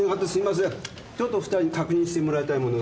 ちょっとお二人に確認してもらいたいものが。